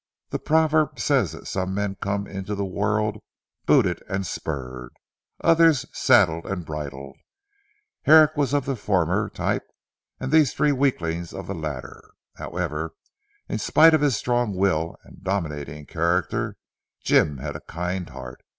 The proverb says that some men come into the world booted and spurred others saddled and bridled. Herrick was of the former type, and these three weaklings of the latter. However, in spite of his strong will, and dominating character, Jim had a kind heart.